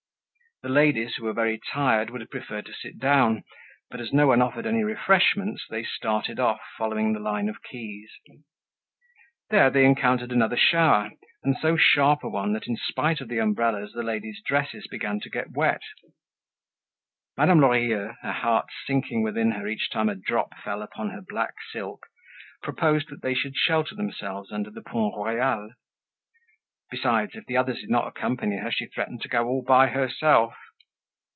The ladies, who were very tired, would have preferred to sit down; but, as no one offered any refreshments, they started off, following the line of quays. There they encountered another shower and so sharp a one that in spite of the umbrellas, the ladies' dresses began to get wet. Madame Lorilleux, her heart sinking within her each time a drop fell upon her black silk, proposed that they should shelter themselves under the Pont Royal; besides if the others did not accompany her, she threatened to go all by herself.